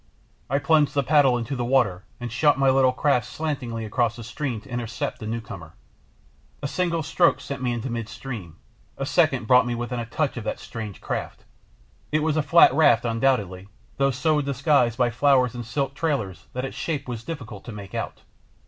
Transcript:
I plunged the paddle into the water and shot my little craft slantingly across the stream to intercept the newcomer. A single stroke sent me into mid stream, a second brought me within touch of that strange craft. It was a flat raft, undoubtedly, though so disguised by flowers and silk trailers that its shape was difficult to make out.